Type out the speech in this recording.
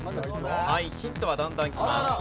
はいヒントはだんだんきます。